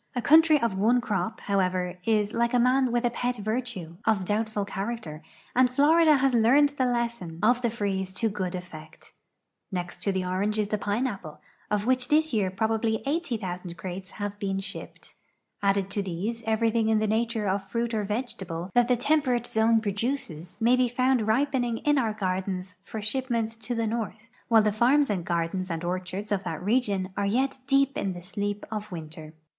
A country of one crop, however, is, like a man with a i>et virtue, of doul)tful character, and Florida has learned the lesson of the freeze to good effect. Next to the orange is the inneapple, of which this year })robably 80,000 crates have been shipped. Added to these, everything in the nature of fruit or vegetable that the temperate zone produces may be found ripening in our gardens for shipment to the north while the farms and gardens and orchards of that region are }'^et deep in the sleep of winter.